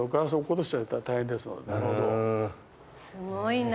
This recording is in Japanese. すごいな。